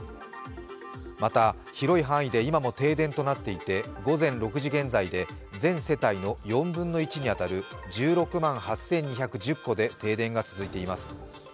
また広い範囲で今も停電となっていて午前６時現在で全世帯の４分の１に当たる１６万８２１０戸で停電が続いています。